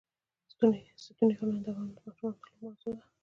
ستوني غرونه د افغان ماشومانو د لوبو موضوع ده.